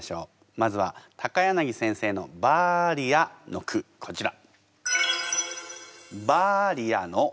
まずは柳先生の「バーリア」の句こちら。